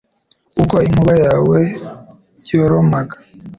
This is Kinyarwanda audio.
Uko inkuba yawe yoromaga